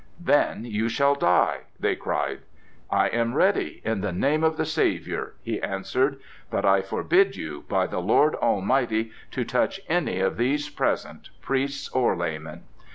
"Then you shall die!" they cried. "I am ready, in the name of the Saviour," he answered; "but I forbid you, by the Lord Almighty, to touch any of these present, priests or laymen."